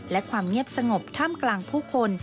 และความเงียบสงบท่ามกลางผู้คน